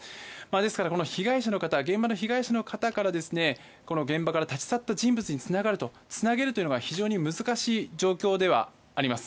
ですから、現場の被害者の方から現場から立ち去った人物につなげるというのが非常に難しい状況ではあります。